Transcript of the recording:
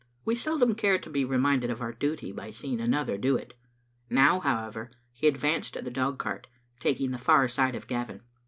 We seldom care to be reminded of our duty by seeing another do it. Now, however, he advanced to the dog cart, taking the far side of Gavin.